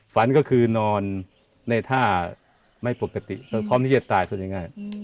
ฝันก็คือนอนในท่าไม่ปกติพร้อมที่จะตายพูดง่าย